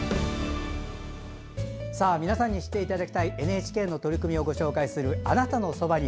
皆さんに知っていただきたいＮＨＫの取り組みをご紹介する「あなたのそばに」。